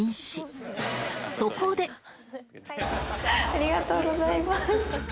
ありがとうございます。